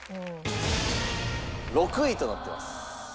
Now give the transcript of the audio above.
６位となってます。